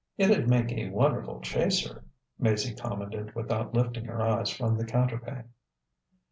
"It'd make a wonderful chaser," Maizie commented without lifting her eyes from the counterpane.